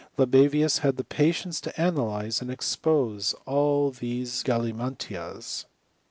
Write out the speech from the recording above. Libavius had the patience to analyze and expose all these gallimadas.